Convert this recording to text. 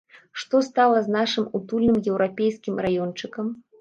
Што стала з нашым утульным еўрапейскім раёнчыкам?